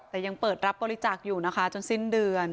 แต่ยังเปิดรับบริจาคอยู่นะคะจนสิ้นเดือน